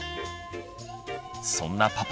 そんなパパ。